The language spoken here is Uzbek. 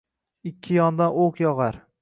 Ikki yondan o’q yog’ar